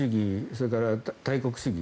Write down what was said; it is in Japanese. それから大国主義。